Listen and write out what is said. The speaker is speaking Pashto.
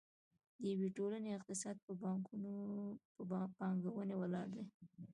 د یوې ټولنې اقتصاد په پانګونې ولاړ دی.